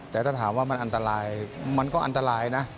แต่ถ้าถามว่ามันอันตรายมันก็อันตรายนะ